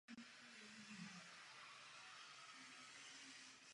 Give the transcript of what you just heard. Výdaje státu tak budou transparentní a pod kontrolou veřejnosti.